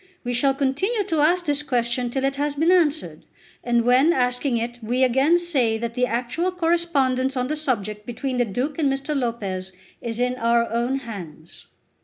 We shall continue to ask this question till it has been answered, and when asking it we again say that the actual correspondence on the subject between the Duke and Mr. Lopez is in our own hands."